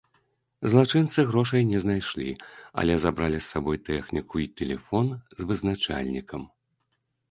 Злачынцы грошай не знайшлі, але забралі з сабой тэхніку і тэлефон з вызначальнікам.